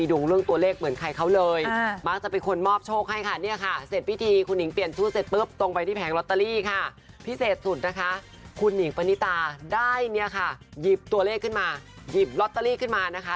ได้นี่ค่ะหยิบตัวเลขขึ้นมาหยิบลอตเตอรี่ขึ้นมานะคะ